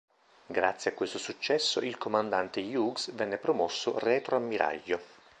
Grazie a questo successo il comandante Hughes venne promosso retroammiraglio.